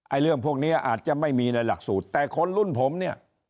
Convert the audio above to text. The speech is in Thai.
เรื่องพวกนี้อาจจะไม่มีในหลักสูตรแต่คนรุ่นผมเนี่ย